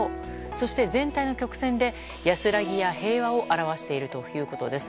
そして全体の曲線で安らぎや平和を表しているということです。